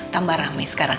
tambah ramai sekarang